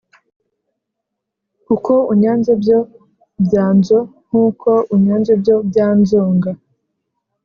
Kuko unyanze byo byanzonKuko unyanze byo byanzonga